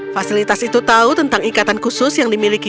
fasilitas itu tahu tentang ikatan khusus yang dimiliki